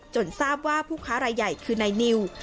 จนทราบว่าผู้ค้าไร่ใหญ่คือไหนนิว